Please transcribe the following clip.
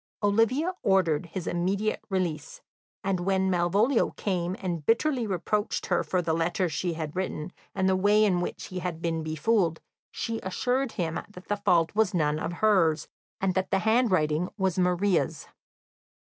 Olivia ordered his immediate release, and when Malvolio came and bitterly reproached her for the letter she had written, and the way in which he had been befooled, she assured him that the fault was none of hers, and that the handwriting was Maria's.